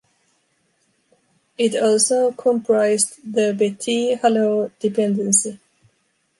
It also comprised the Petit-Halleux dependency.